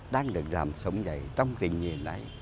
đang được làm sống dậy trong tình nhiên này